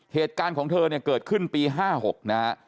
เหตุการณ์ของเธอเนี่ยเกิดขึ้นปี๕๖นะฮะ